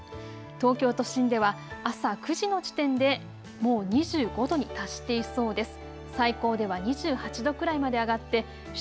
東京都心では朝９時の時点でもう２５度に達していそうです。